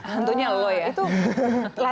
hantunya lo ya